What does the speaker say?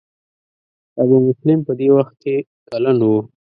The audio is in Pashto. ابو مسلم په دې وخت کې کلن و.